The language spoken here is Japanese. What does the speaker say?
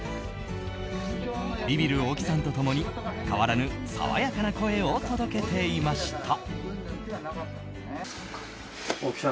ビビる大木さんと共に変わらぬ爽やかな声を届けていました。